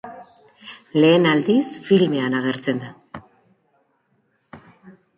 Lehen aldiz filmean agertzen da.